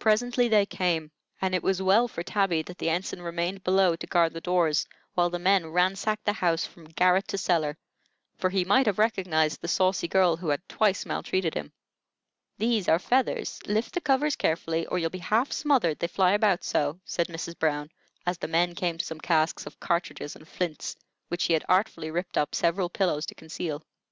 Presently they came, and it was well for Tabby that the ensign remained below to guard the doors while the men ransacked the house from garret to cellar; for he might have recognized the saucy girl who had twice maltreated him. "These are feathers; lift the covers carefully or you'll be half smothered, they fly about so," said Mrs. Brown, as the men came to some casks of cartridges and flints, which she had artfully ripped up several pillows to conceal.